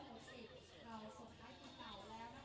ไม่ชหมบสองที่แบบนั้นค่ะ